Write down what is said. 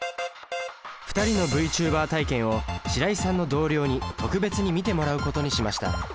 ２人のＶチューバー体験を白井さんの同僚に特別に見てもらうことにしました。